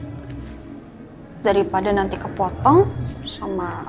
hai daripada nanti kepotong sama